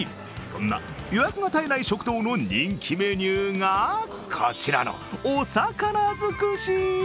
そんな予約が絶えない食堂の人気メニューがこちらのお魚尽くし。